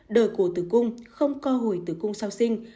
đời cổ tử cung không co hồi tử cung sau sinh